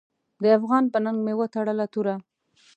د افغان په ننګ مې وتړله توره .